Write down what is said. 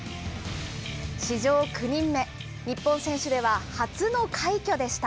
史上９人目、日本選手では初の快挙でした。